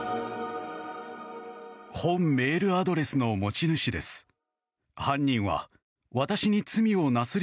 本メールアドレスの持ち主です。